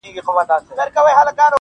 اوس چي تا حواب راکړی خپل طالع مي ژړوینه-